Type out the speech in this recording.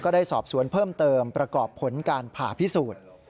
ได้สอบสวนเพิ่มเติมประกอบผลการผ่าพิสูจน์